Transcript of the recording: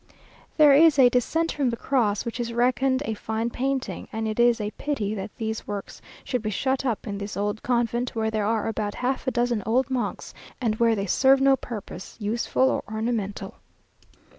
_ There is a Descent from the Cross, which is reckoned a fine painting; and it is a pity that these works should be shut up in this old convent, where there are about half a dozen old monks, and where they serve no purpose, useful or ornamental.